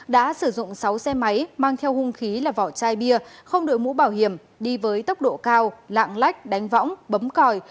đã sử dụng sáu xe máy mang theo hung khí là vỏ chai bia không đội mũ bảo hiểm đi với tốc độ cao lạng lách đánh võng bấm còi